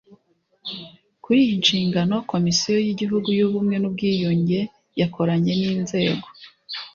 Kuri iyi nshingano Komisiyo y Igihugu y Ubumwe n Ubwiyunge yakoranye n inzego